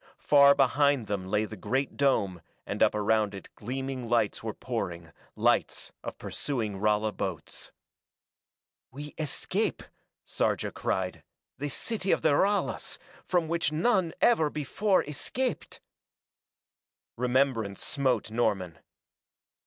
Far behind them lay the great dome and up around it gleaming lights were pouring, lights of pursuing Rala boats. "We escape," Sarja cried, "the city of the Ralas, from which none ever before escaped!" Remembrance smote Norman.